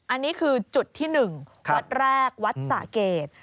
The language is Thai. อันนี้คือจุดที่๑วัดแรกวัดสะเกด